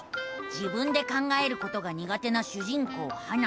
自分で考えることがにが手な主人公ハナ。